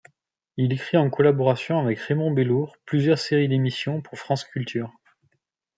Il écrit en collaboration avec Raymond Bellour plusieurs séries d’émissions pour France Culture.